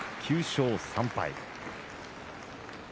９勝３敗。